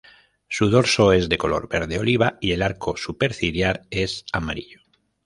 Su dorso es de color verde oliva, y el arco superciliar es amarillo.